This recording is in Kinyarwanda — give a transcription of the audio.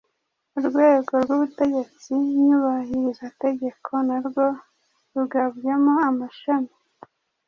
Urwego rw’Ubutegetsi Nyubahirizategeko na rwo rugabyemo amashami